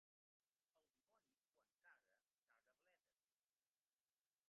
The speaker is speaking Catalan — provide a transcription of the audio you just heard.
El dimoni, quan caga, caga bledes.